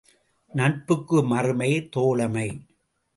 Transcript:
நட்புக்கு மறுபெயர் தோழமை.